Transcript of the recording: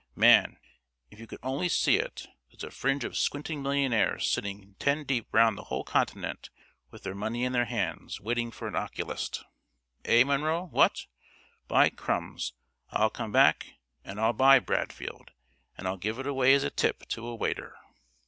Man, if you could only see it, there's a fringe of squinting millionaires sitting ten deep round the whole continent with their money in their hands waiting for an oculist. Eh, Munro, what? By Crums, I'll come back and I'll buy Bradfield, and I'll give it away as a tip to a waiter."